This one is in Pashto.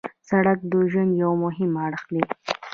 سړک د ژوند یو مهم اړخ دی.